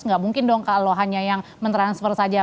nggak mungkin dong kalau hanya yang mentransfer saja